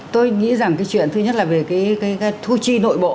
tôi nghĩ rằng cái chuyện thứ nhất là về cái thu chi nội bộ